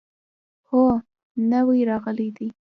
هو، نوي راغلي دي